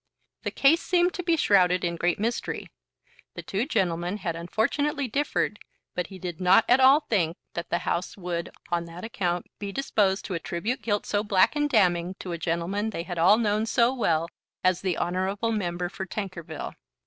The case seemed to be shrouded in great mystery. The two gentlemen had unfortunately differed, but he did not at all think that the House would on that account be disposed to attribute guilt so black and damning to a gentleman they had all known so well as the honourable member for Tankerville."